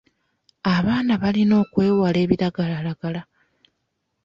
Abanana balina okwewala ebiragalalagala.